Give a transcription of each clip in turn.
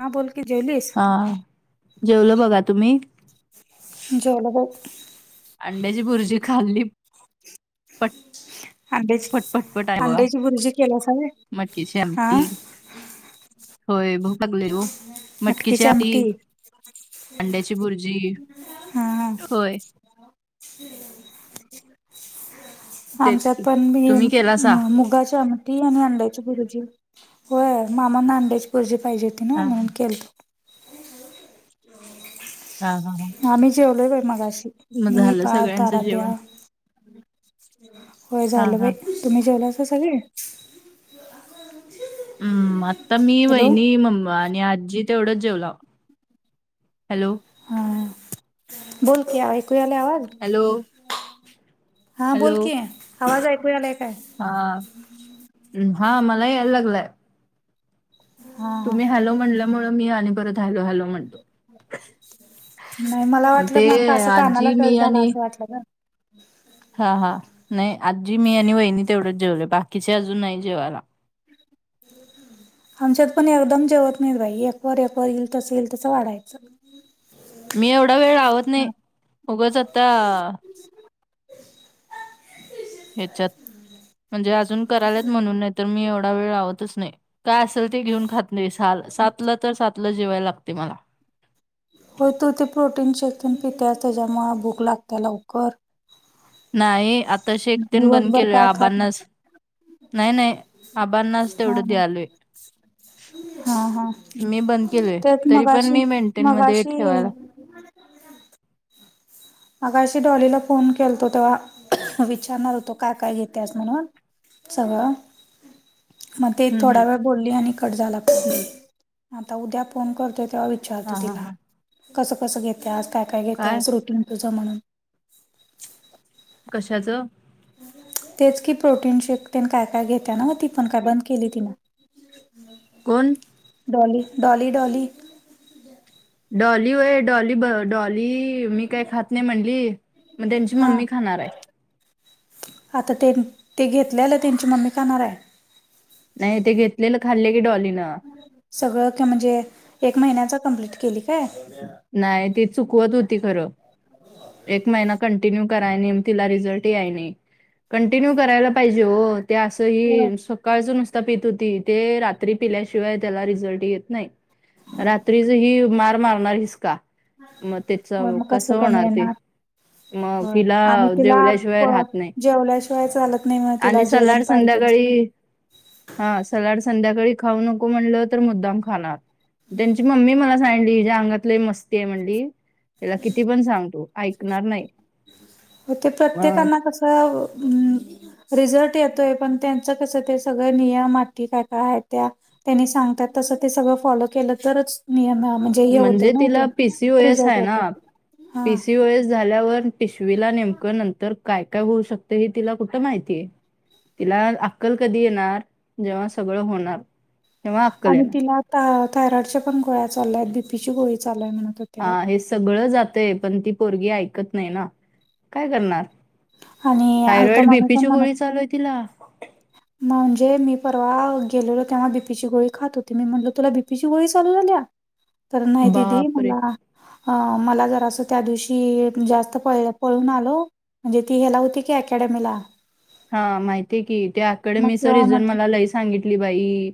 हां बोल की जेवलीस.. हा जेवलं बघा तुम्ही.. जेवलो बाई.. अंड्याची बुर्जी खाल्ली प. अंड्याची फटफट फटपट हाय बगा अंड्याची भुर्जी केलासा व्हय? मक्या ची हा आमटी.. होय भूक लागलेली ओ.. मटकीची आमटी अांड्याची भुर्जी होय.. ह्. [unintelligible] तेच आमच्यात की पण मी तुम्ही केला सा मुगाची आमटी.. ती आणि अंड्याची बुर्जी हो मामांना अंड्याची बुर्जी पाहिजे होती ना हा म्हणून केलतो.. हा हा.. हा. आम्ही जेवलो आहे मगाशी.. मग मी झालं पार्थ सगळ्यांचं आराध्य, जेवण होय हा झालं हा बाई.. तुम्ही जेवलासा सगळे.. हम्म आता मी हॅलो बहिणी मम्मा आणि आजी. तेवढंच जेवला हॅलो.. हा बोल की एकूयाले आवाज.. हॅलो.. हा हॅलो बोलकी आवाज ऐकू आलाय काय.. हा हा मला यायला लागलंय.. हा हा. तुम्ही हॅलो म्हणल्यामुळ मी आणि परत हॅलो हॅलो म्हणतो.. नाही मला वाटलं ते मग असं कानाला आजी कळ मी झाला आणि असं वाटलं ग.. हा हा नाही आजी मी आणि वहिणी तेवढंच जेवले बाकीचे अजून नाही जेवायला.. आमच्यात पण एकदम जेवत नाहीत भाई एक ववर एकवर येईल तसं येईल तसं वाढायचं.. मी एवढा वेळ लावत नाही उगच आता.. ह्याच्यात म्हणजे अजून करायलात म्हणून नाही तर मी एवढा वेळ लावतच नाही काय अस. असल ते घेऊन खात नाहील सातलं तर सातलं जेवायला लागते मला.. हो तू ते प्रोटीन शेक पन पितस त्याच्यामुळं भूक लागते लवकर.. नाही आता शेक तेण बंद दिवसभर केल काय खात आबांनाच. नाही नाही नाही आबांनाच हा तेवढं हा दयालोय. हा हा मी बंद केलोय तेच तरी पण मी मेंटेन मध्ये ठेवायला आकाशी डॉलीला फोन केलतो तेव्हा. विचारणार होतो काय काय घेतेस म्हणून. सगळ मग ते हम्म हम्म थोडा वेळ बोलली आणि कट झाला फोन. हम्म आता उद्या फोन करतोय तेव्हा हा विचारतो हा तिला. हा कसं कसं घेत्यास काय काय घेत्यास रुटीन तुझं म्हणून. कशाचं. तेच की प्रोटीन शेक काय काय घेतता ना म ती पण काय बंद केली तिन. कोण डॉली डॉली डॉली. डॉली वय डॉली ब डॉली, मी काय खात नाही म्हणली मग त्यांची हा मम्मी खाणार आहे. आता ते ते घेतल्यालं त्यांची मम्मी खाणार हाय. नाही ते घेतलेलं खाल्ले की डॉलीनं. सगळं म्हणजे एक महिन्याच कं्प्लीट केली काय? नाही ती चुकवत होती खरं. एक महिना कंटिन्यू करायणे तिला रिझल्ट याय नाही कंटिन्यू करायला पाहिजे हो ते अस होय ह सकाळच नुसता पित होती ते रात्री पिल्याशिवाय त्याला रिझल्ट येत नाही रात्रीच ही मार मारणार हिसका मग त्याच होय कसं होणार ते मग हो हिला आणि तिला जेवल्याशिवाय राहत नाही जेवल्याशिवाय चालत नाही म आणि सलाड संध्याकाळी हा सलाड संध्याकाळी खाऊ नको म्हणलं तर मुद्दाम खाणार त्यांची मम्मी मला सांलीज अंगात इ मस्ती आहे म्हणली त्याला किती पण सांग तू ऐकणार नाही हो ते अ, प्रत्येकना कसं रिझल्ट येतोय पण त्यांचं कसं ते सगळ नियम आ काय काय आहेत त्या त्यांनी सांगतात तसं ते सगळं फॉलो केलं तरच नियम म्हण म्हणजे तिला पीसीओएस आहे ना हा पीसीओएस झाल्यावर पिशवीला नेमकं नंतर काय काय होऊ शकतं हे तिला कुठं माहितीय तिला अक्कल कधी येणार जेव्हा सगळं होणार तेव्हा अक्कल आणि येणार तिलाा थायरॉइडच्या पण गोळ्या चालल्यात बीपीची गोळी चालूय म्हणत होते हा बाई हे सगळं जातय पण ती पोरगी ऐकत नाही ना काय करणार आणि अलका थायरॉइड मामी पण बीपीची गोळी म्हणत चालू आहे तिला म्हणजे मी परवा गेलेलो तेव्हा बीपीची गोळी खात होती मी म्हटलो तुला बीपीची गोळी चालू झाल्या तर नाही दिदी बापरे मला अ मला जरा असं त्या दिवशी जास्त पळ पळून आलो म्हणजे ती ह्याला होती की अकॅडमीला हा माहितीय की ते आकडे मग मी स तेव्हा रिजून म्हटली मला लई सांगितली बाई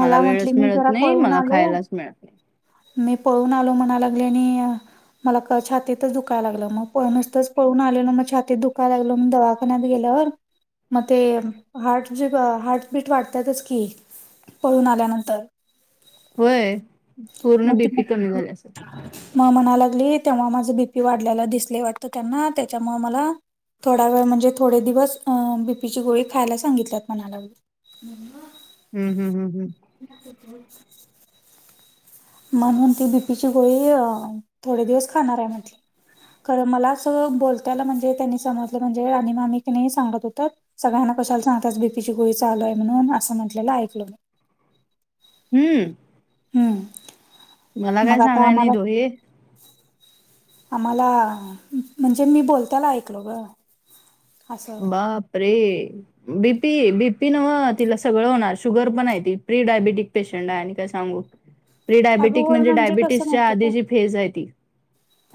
मला म्हटली वेळच मी मिळत जरा नाही पळून मला आलो. खायलाच मिळत नाही मी पळून आलो म्हणालागले आणि मला छातीच दुखाय लागलं मग प नुसतच पळून आलेलं मग छाती दुखाय लागलं मग दवा कना गेल्यावर मग ते हार्ट ज हार्टबीट वाटतातच की पळून आल्यानंतर होय मग पूर्ण ती बीपी कमी म्हणाली झाली असे मग म्हणा लागली तेव्हा माझं बीपी वाढल्याला दिसले वाटत त्यांना त्याच्यामु मला थोडा वेळ म्हणजे थोडे दिवस अ बीपीची गोळी खायला सांगितल्यात मणाला मवा हूं हूं हूं हूं [unintelligible] म्हणून ती बीपीची गोळी य थोडे दिवस खाणार आहे म्हटली कारण मला अस बोलताला म्हणजे त्यांनी समजलं म्हणजे आणि मामी की नाही सांगत होतात. सगळ्यांना कशाला सांगतास बीपीची गोळी चालूय म्हणून असं म्हटलेलं ऐकलो मी हम्म हम्म मला काय मग आता सांगाय आम्हाला नाहीत हो हे आम्हाला म्हणजे मी बोलताला ऐकलो ग असं बापरे! बीपी बीपी नव्ह तिला सगळं होणार शुगर पण आहे ती प्री डायबेटिक पेशंट आहे आणि काय सांगू प्री अगं डायबेट होय म्हणजे कसं डायबिटीच्या माहितीये काय आधीजी फेज आहे ती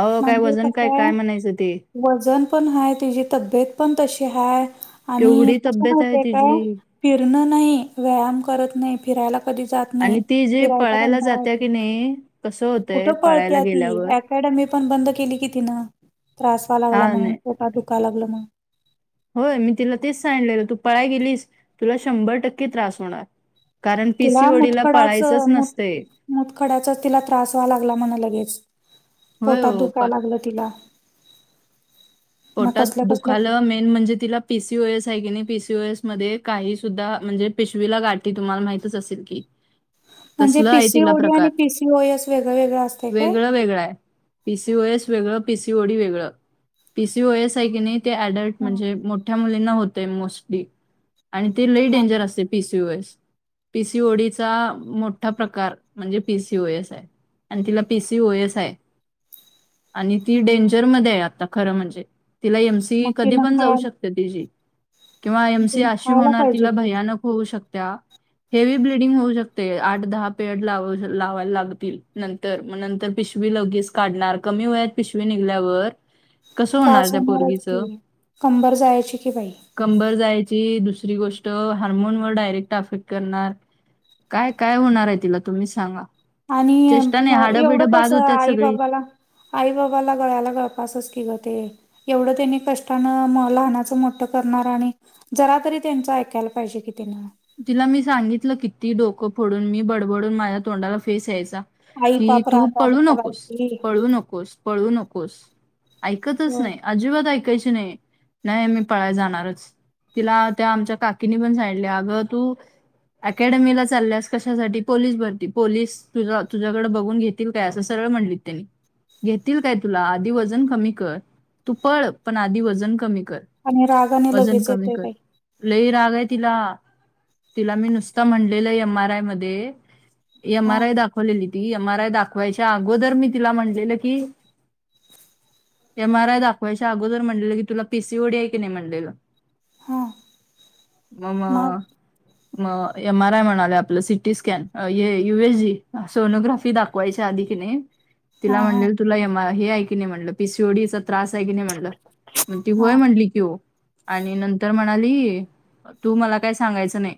अहो काय म्हणजे वजन काय कसं आहे काय म्हणायचं ते वजन पण हाय तिजी तब्येत पण तशी हाय - आणि केवढी कसं तब्येत आहे माहितय काय तिची फिरणं नाही व्यायाम करत नाही फिरायला कधी जात आणि ती जी फिरायच पळायला कंटाळा जाते येतोय की नाही कसं कुठ होतंय पळायला पळतीया ती गेल्यावर ऍक मॅडम मी पण बंद केली की तीन त्रास व्हयला लागला हा म्हणून नाही पोटात दुखायला लागला म्हणून होय मी तिला तेच सांगलेलं तू पळा गेलीस तुला शंभर टक्के त्रास होणार. कारण पी सी तिला ओडीला पळायचंच मुतखडाचं मुत नसतंय. मुतखड्याचा तिला त्रास व्हायला लागला म्हणे लगेच होय पोटात हो प- दुखायला लागलं. तिला न पोटात कसल्या कसल्या दुखालं मेन म्हणजे तिला पी सी ओ एस आहे की नाही पी सीओ एस मध्ये काही सुद्धा म्हणजे पिशवीला गाठी तुम्हाला माहितच असेल की म्हणजे तसल आहे तिला पीसीओडी आणि प्रकार पीसीओएस वेगळं वेगळं असतंय काय? वेगळं वेगळां आहे. पी सी ओ एस वेगळं पी सी ओ डी वेगळं पी सी ओ एस आहे की नाही ते ऍडल्ट हा म्हणजे मोठ्या मुलींना होतय मोस्टली आणि ते लई हा डेंजर असते P C O S P C O D चा मोठा प्रकार म्हणजे पी सी ओ एस आहे. आणि तिला पी सी ओ एस आहे- आणि ती हा हा. डेंजरमध्ये आहे आता खरं म्हणजे तिला एम सी मग कधी तिनं पण जाऊ काय शक कते तिझी किंवा एम सी तुम्ही अशी खायला होणार पाहिजे तिला की भयानक होऊ शकते आ हेवी ब्लडिंग होऊ शकते आठ दहा पेड लाव लावायला लागतील नं तर मग नंतर पिशवी लगेच काढणार कमी वयात पिशवी निघल्यावर त्रास होणारच की कंबर जायची कि बाई कंबर जायची दुसरी गोष्ट हार्मोन वर डायरेक्ट अफेक्ट करणार काय काय होणार आहे तिला तुम्ही सांगा आणि चेष्टा नाही हाडं एवढं बिडं बाद कसं होतात आई सगळी बाबाला आई बाबाला गळ्याला गळफासच की ग ते एवढं त्यांनी कष्टानं म लहानाचं मोठं करणार आणि जरा तरी त्यांच ऐकायला पाहिजे की तीन तिला मी सांगितलं किती डोकं फोडून मी बडबडून माझ्या तोंडाला फेस यायचा आई की पाप तू राग राग पळू नकोस रागायची पळू नकोस. पळू नकोस ऐकतच नाय. अजिबात ऐकायची नाही नाय मी पळायला जाणारच. तिला त्या आमच्या काकीनी पण सांगितल्या अगं तू अकॅडमीला चालल्यास कशासाठी पोलिस भरती पोलीस तुझ तुझ्याकड बघून घेतील काय असं सगळं म्हणलीत तिनी घेतील काय तुला आधी वजन कमी कर तू पळ पण आधी वजन कमी कर. आणि रागाने वजन लगेच कमी येतोय कर बाई लई राग आहे तिला तिला मी नुसता म्हणलेलं एम आर आय मध्ये एम आर हा आय दाखव ली ती एम आर आय दाखवायच्या अगोदर मी तिला म्हणलेलं की... एम आर आय दाखवायच्या अगोदर म्हणलेलं की तुला पीसीओडी आहे की नाही म्हणलेलं... हा मम.. मग म एम आर आय म्हणाले आपलं city scan US G sonography दाखव... वायच्या आधी की नाही हा तिला हा म्हण तुला हे की नाही म्ह पिसिओडी.... त्रास आहे की नाही म्हणलं ती होय हा म्हणली की हो... आणि नंतर म्हणाली तू मला काय सांगायचं नाही...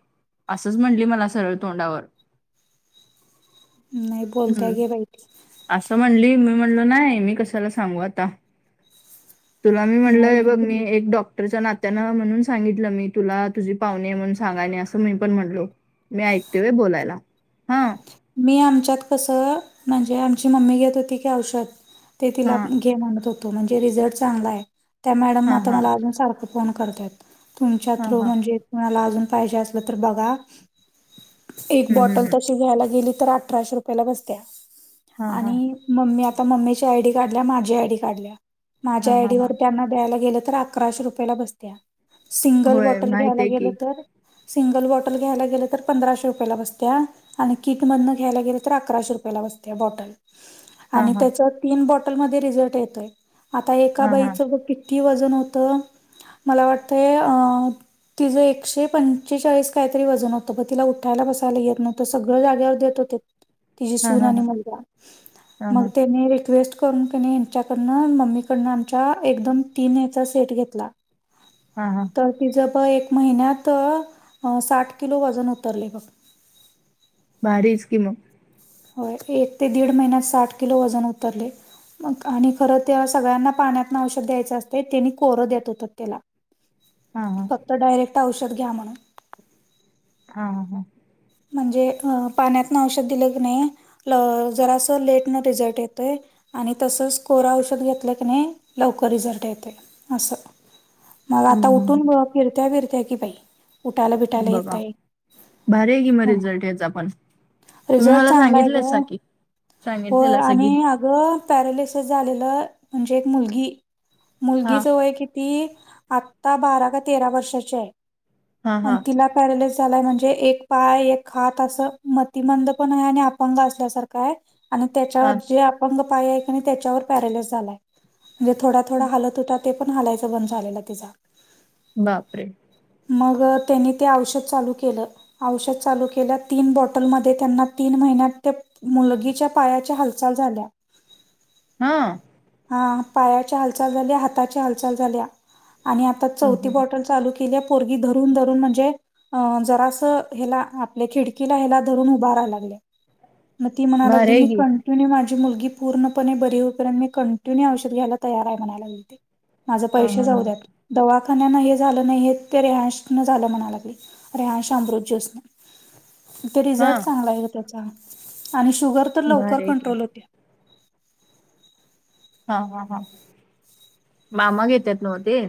असंच म्हणटली मला सरळ तोंडावर.... नाही बोलतय हम्म घे बाईट असं म्हणली मी म्हणलो नाही मी कशाला सांगू आता.... तुला मी म्हटलंय बघ नाही मी एक डॉ... डॉक्टरच्या नात्यानं म्हणून सांगितलं मी तुला तुझी पाहणे म्हणून सांगाणे अस... असं मी पण म्हणलो मी ऐकते व बोलायला हा.... मी आमच्यात कसं म्हणजे आमची मम्मी घेत होती की औषध.... ते तिला हा घे म्हणत होतो म्हणजे रिझल्ट चांगला आहे त्या मॅडम हा आता हा मला अजून सारखं.... तुमच्या हा थ हा म्हणजे अज पाहिजे अस तर बघा.... एक हम्म हम्म बॉटल हम्म. तशी घ्यायला गेली तर अठराशे रुपयाला बसत्या.... हा हा आणि मम्मी आता मम्मीची आयडी काढल्या माझी ही आय डी काढल्या.... हा माझ्या हा हा आयडीवर त्यांना द्यायला गेलं तर अकराशे रुपयाेला बसत्या.... सिंगल होय बॉटल घ्यायला माहितीये की गेलं तर... सिंगल बॉटल घ्यायला गेलं तर पंधराशे रुपयाला बसतते आणि... किटमधन घ्यायला गेलं तर अकराशे रुपयाला बसतिया बॉटल हा आणि हा त्याच... तीन बॉटलमध्ये रिझल्ट येतोय आता एका हा हा बाईचं किती वजन होत... मला वाटतं आ... तिचं एकशे पंचेचाळीस काहीतरी वजन होतं प तिला उठायला बसायला येत नव्हतं सगळं.... झाल्या वर आता येत होते तिची हा हा सून हा आणि मुला हा मग हा त्यानी रिक्वेस्ट.... त्यां यांच्याकडन मम्मीकडन आमच्या एकदम तीनचा सेट घेतला.... हा हा... तर तिचं ब एक महिन्यात साठ किलो वजन उतरले बघ... भारीच की मग.... हो एक ते दीड महिन्यात साठ किलो वजन उतरले... मग आणि खरं त्या सगळ्यांना पाण्यातन औषध द्यायचं असते त्यानी कोरं देत होतात त्याला.... हा हा फक्त डायरेक्ट औषध घ्या म्हणून.. हा हां.... म्हणजे पाण्यातन औषध दिलं... जरा लेट रिझल्ट येतोय. आणि तसंच कोर औषध घेतल्या की नाही लवकर रिझल्ट येते असं.... मग हम्म आता हम्म उठून ब फिरत्या फिरत्या की बाई... उठायला बिठायला बघा येतय. भारी आहे कि म रिझल्ट याचा पण तुम्ही मला सांगितलं की... हो सांगितलेला सगळी आणि अगं पॅरेलिसस झालेलं म्हणजे एक मुलगी.. हा मुलगीच वय किती आत्ता बारा का तेरा वर्षाची आहे हा हा आणि तिला.. पॅरलेस झालाय म्हणजे एक पाय एक हात असं मतिमंद पण आहे आणि अपंग असल्यासारखा आहे... आणि हा त्याच्यावर जे अपंग पाय आहे त्याच्यावर पॅरलेस झालाय म्हणजे थोडा थोडा हात हालत... ते पण हालायचं बंद झालेला तिचा.. बापरे... मग त्यांनी ते औषध चालू केलं... औषध चालू के तीन बॉटल म त्यांना तीन महिन्या मुलगीच्या... पायाची हालचाल झाल्या... हा.... हा पायाची हालचाल झाली हाताची हालचाल झाल्या आणि. हम्म चौथी हम्म. बॉटल चालू केली आहे पोरगी धरून धरून म्हणजे अ जरास हला आपल्या खिडकीला ह्याला धरून उभाराय लागले मग ती भारी म्हणालागली आहे मी की. कंटिन्यू माझ मुलगी पूर्णणे बरी होईपर्यंत मी कंटिन्यू औषध घ्यायला तयार आहे म्हयलाळते माझ हा हा पैसे हा. जाऊ द्यात दवाखान्यान हे झालं नाही हे ते रेहाशन झालं म्हणा लागले अरे आशाम रोज चस ते हा रिझल्ट चांगला आहे त्याचा आणि शुगर तर लवकर भारी आहे की. कंट्रोल होत्या हा ह ह मामा घेतेत नव्हते